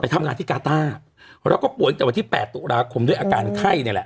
ทำงานที่กาต้าแล้วก็ป่วยตั้งแต่วันที่๘ตุลาคมด้วยอาการไข้เนี่ยแหละ